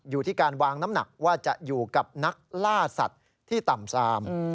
อยู่ที่การวางน้ำหนักว่าจะอยู่กับนักล่าสัตว์ที่ต่ำซาม